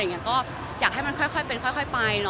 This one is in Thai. อยากให้มันค่อยไป